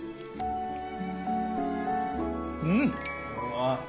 うん。